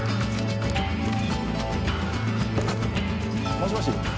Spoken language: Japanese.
もしもし？